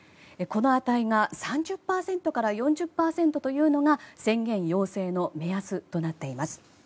この値が３０％から４０％というのが宣言要請の目安となっています。